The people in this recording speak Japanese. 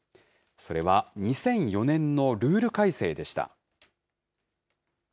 それは、２００４年のルール改正でした。